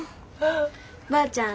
ばあちゃん